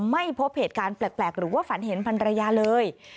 ไม่พบเหตุการณ์แปลกหรือว่าฝันเห็นพันรยาเลย